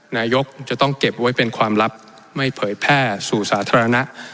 นายกจะต้องเก็บไว้เป็นความลับไม่เผยแพร่สู่สาธารณะ